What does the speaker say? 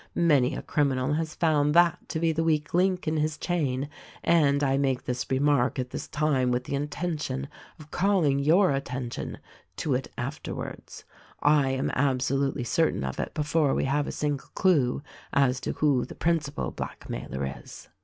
Many a criminal has found that to be the weak link in his chain, and I make this remark at this time with the intention of calling your attention to it afterwards. I am absolutely certain of it before we have a single clue as to who the principal blackmailer is."